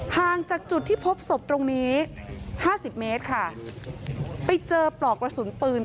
ห่างจากจุดที่พบศพตรงนี้ห้าสิบเมตรค่ะไปเจอปลอกกระสุนปืน